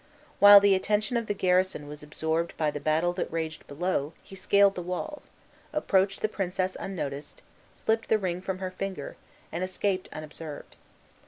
While the attention of the garrison was absorbed by the battle that raged below he scaled the walls, approached the Princess unnoticed, slipped the ring from her finger, and escaped unobserved.